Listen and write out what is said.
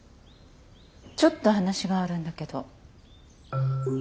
ちょっと話があるんだけど。